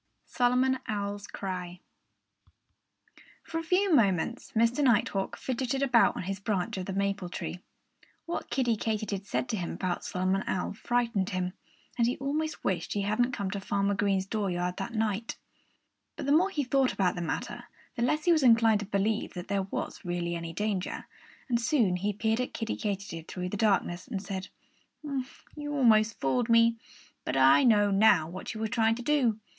V SOLOMON OWL'S CRY For a few moments Mr. Nighthawk fidgeted about on his branch of the maple tree. What Kiddie Katydid said to him about Solomon Owl frightened him. And he almost wished he hadn't come to Farmer Green's dooryard that night. But the more he thought about the matter, the less he was inclined to believe that there was really any danger. And soon he peered at Kiddie Katydid through the darkness and said: "You almost fooled me. But I know now what you were trying to do.